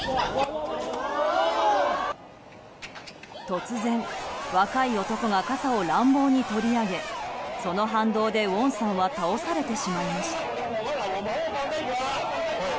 突然、若い男が傘を乱暴に取り上げその反動でウォンさんは倒されてしまいました。